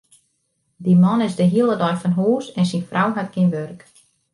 Dy man is de hiele dei fan hús en syn frou hat gjin wurk.